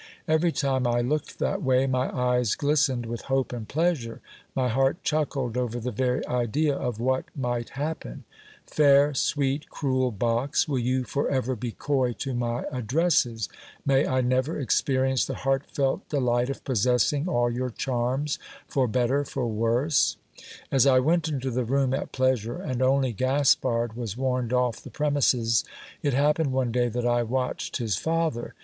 Every time I looked that way, my eyes glistened with hope and pleasure ; my heart chuckled over the very idea of what might happen : Fair, sweet, cruel box, will you for ever be coy to my addresses ? May I never experience the heart felt delight of possessing all your charms for better, for worse ? As I went into the room "at pleasure, and only Gaspard was warned off the premises, it happened one day that I watched his father.